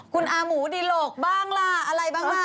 คุณอาหมูดิโหลกบ้างล่ะอะไรบ้างล่ะ